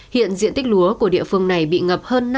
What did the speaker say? hiện diện tích lúa của địa phương này bị ngập hơn năm hai trăm linh ha